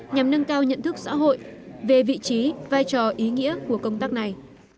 nhằm nâng cao nhận thức xã hội về vị trí vai trò ý nghĩa của công tác này